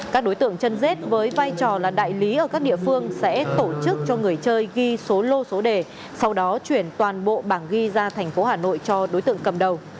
các đối tượng chân rết với vai trò là đại lý ở các địa phương sẽ tổ chức cho người chơi ghi số lô số đề sau đó chuyển toàn bộ bảng ghi ra thành phố hà nội cho đối tượng cầm đầu